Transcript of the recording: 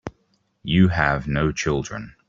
You have no children.